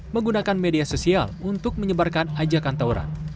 menggunakan media sosial untuk menyebarkan ajakan tauran